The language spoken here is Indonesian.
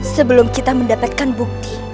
sebelum kita mendapatkan bukti